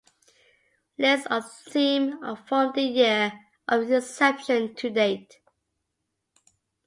List of theme from the year of inception to date